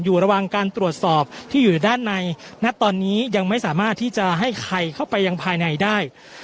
อยู่ระหว่างการตรวจสอบที่อยู่ด้านในณตอนนี้ยังไม่สามารถที่จะให้ใครเข้าไปยังภายในได้